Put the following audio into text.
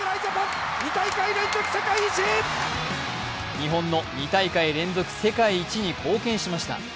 日本の２大会連続世界一に貢献しました。